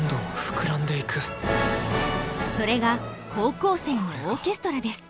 それが高校生のオーケストラです。